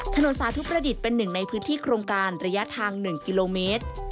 สาธุประดิษฐ์เป็นหนึ่งในพื้นที่โครงการระยะทาง๑กิโลเมตร